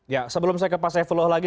ya sebelum saya ke pak saifullah lagi